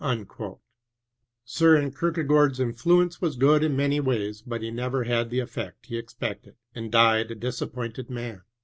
S^ren Kierkegaard's infiuenoe was jgoodin many ways, but he never had the effect he expected, and died a disappointed man.